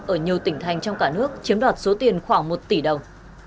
ở nhiều tỉnh thành trong cả nước chiếm đoạt số tiền khoảng một tỷ đồng